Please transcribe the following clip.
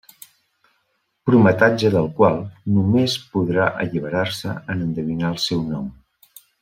Prometatge del qual només podrà alliberar-se en endevinar el seu nom.